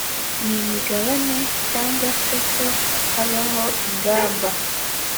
n imigabane cyangwa se ko habaho ingamba